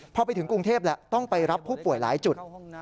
พอไปถึงกรุงเทพแล้วต้องไปรับผู้ป่วยหลายจุด